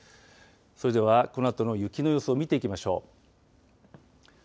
それではこのあとの雪の予想を見ていきましょう。